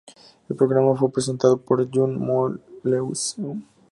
El programa fue presentado por Jun Hyun-moo y Lee Soo-geun.